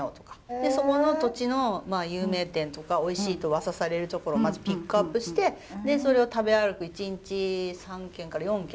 でそこの土地の有名店とかおいしいとうわさされるところまずピックアップしてでそれを食べ歩く１日３軒から４軒。